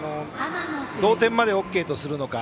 同点までＯＫとするか。